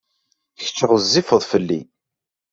Kecc ɣezzifeḍ fell-i.